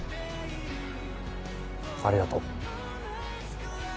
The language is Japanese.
ありがとう。